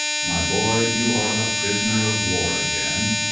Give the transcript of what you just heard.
My boy, you are a prisoner of war again.